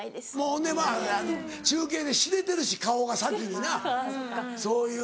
ほんで中継で知れてるし顔が先になそういうのも。